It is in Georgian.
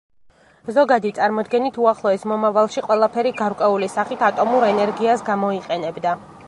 ზოგადი წარმოდგენით უახლოეს მომავალში ყველაფერი გარკვეული სახით ატომურ ენერგიას გამოიყენებდა.